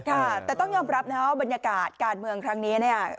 ค่ะแต่ต้องยอมรับนะว่าบรรยากาศการเมืองครั้งนี้เนี่ย